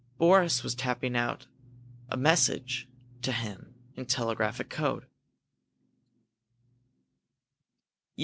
Boris was tapping out a message to him in telegraphic code.